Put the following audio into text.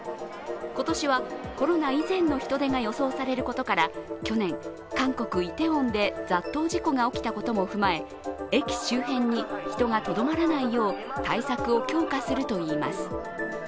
今年はコロナ以前の人出が予想されることから去年、韓国イテウォンで雑踏事故が起きたことも踏まえ駅周辺に人がとどまらないよう対策を強化するといいます。